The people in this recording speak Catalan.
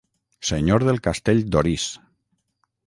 Senyor del Castell d'Orís.